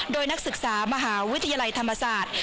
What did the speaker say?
โดยนักศึกษามหาวิทยาลัยธรรมศาสตร์